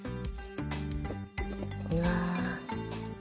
うわ！